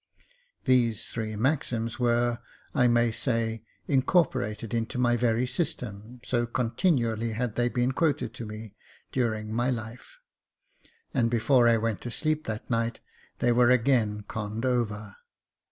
These three maxims were, I may say, incorporated into my very system, so continually had they been quoted to me during my life ; and before I went to sleep that night, they were again conned over.